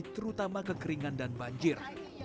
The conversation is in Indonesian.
terutama kekeringan dan banjir